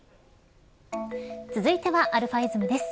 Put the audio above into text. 続いてはαｉｓｍです。